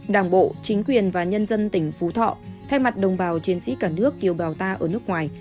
đảng bộ chính quyền và nhân dân tỉnh phú thọ thay mặt đồng bào chiến sĩ cả nước kiều bào ta ở nước ngoài